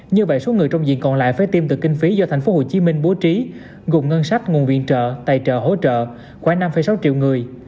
như vậy số người trong diện còn lại phải tiêm từ kinh phí do tp hcm bố trí gồm ngân sách nguồn viện trợ tài trợ hỗ trợ khoảng năm sáu triệu người